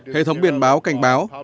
hệ thống biển báo cảnh báo